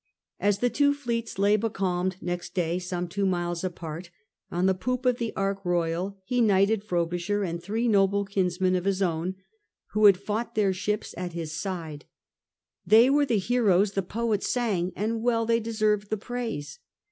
As the two fleets lay becalmed next day, some two miles apart^ on the poop of the Arh Royal he knighted Frobisher and three noble kinsmen of his own who had fought their ships at his side. XI THE CHASE CONTINUED 163 They were the heroes the poets sang, and well they deserved the praise.